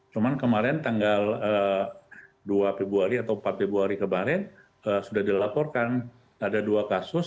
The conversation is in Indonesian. cuman kemarin tanggal dua februari atau empat februari kemarin sudah dilaporkan ada dua kasus